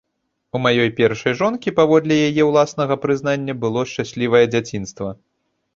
У маёй першай жонкі, паводле яе ўласнага прызнання, было шчаслівае дзяцінства.